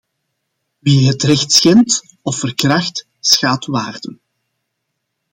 Wie het recht schendt of verkracht, schaadt waarden.